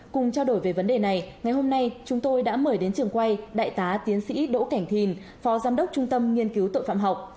cùng trao đổi về vấn đề này ngày hôm nay chúng tôi đã mời đến trường quay đại tá tiến sĩ đỗ cảnh thìn phó giám đốc trung tâm nghiên cứu tội phạm học